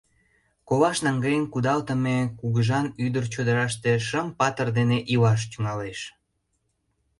Колаш наҥгаен кудалтыме кугыжан ӱдыр чодыраште шым патыр дене илаш тӱҥалеш.